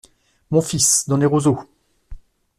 Mon fils… dans les roseaux !